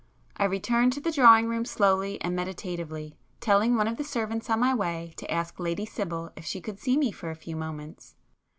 I returned to the drawing room slowly and meditatively, telling one of the servants on my way to ask Lady Sibyl if she could see me for a few moments.